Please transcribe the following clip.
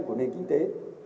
của nền kinh tế